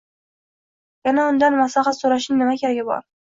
Yana undan maslahat so`rashning nima keragi bor